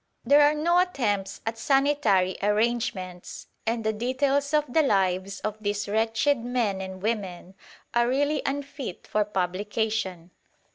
There are no attempts at sanitary arrangements, and the details of the lives of these wretched men and women are really unfit for publication.